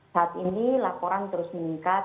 saat ini laporan terus meningkat